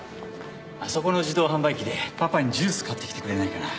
あそこの自動販売機でパパにジュース買ってきてくれないかな。